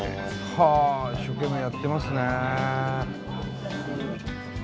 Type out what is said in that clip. はあ一生懸命やってますね。